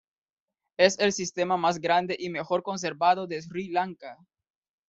Es el sistema más grande y mejor conservado de Sri Lanka.